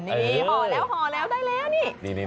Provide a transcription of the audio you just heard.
เหาะแล้วได้แล้วนี่